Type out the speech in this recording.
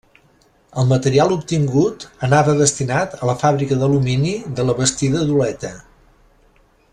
El material obtingut anava destinat a la fàbrica d'alumini de la Bastida d'Oleta.